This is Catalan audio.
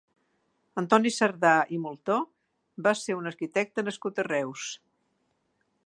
Antoni Sardà i Moltó va ser un arquitecte nascut a Reus.